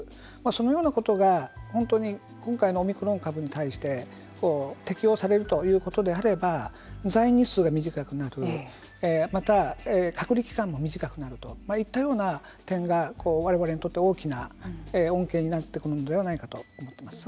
そのようなことが本当に今回のオミクロン株に対して適応されるということであれば在院日数が短くなるまた隔離期間も短くなるといったような点がわれわれにとって大きな恩恵になってくるのではないかと思っています。